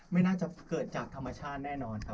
ไม่น่าจะเกิดจากธรรมชาติแน่นอนครับ